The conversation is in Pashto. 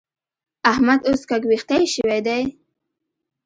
احمد اوس ګږوېښتی شوی دی.